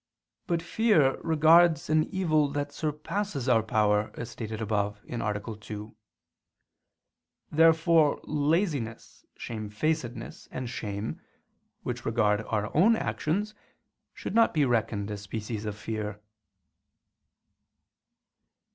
But fear regards an evil that surpasses our power, as stated above (A. 2). Therefore laziness, shamefacedness, and shame, which regard our own actions, should not be reckoned as species of fear.